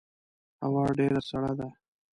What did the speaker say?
هوا ډیره سړه ده